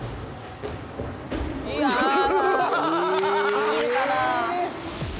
できるかなあ。